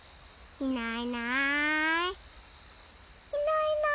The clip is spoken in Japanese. いないいない。